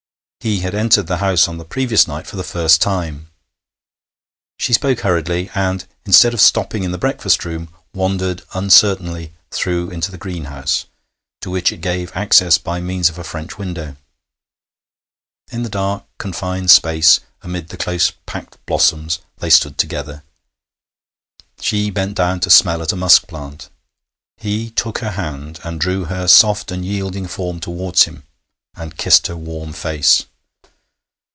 He had entered the house on the previous night for the first time. She spoke hurriedly, and, instead of stopping in the breakfast room, wandered uncertainly through it into the greenhouse, to which it gave access by means of a French window. In the dark, confined space, amid the close packed blossoms, they stood together. She bent down to smell at a musk plant. He took her hand and drew her soft and yielding form towards him and kissed her warm face.